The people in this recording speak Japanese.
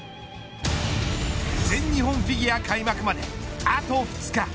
全日本フィギュア開幕まであと２日。